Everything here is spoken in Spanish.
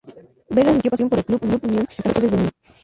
Vega sintió pasión por el club Unión de Santa Fe desde niño.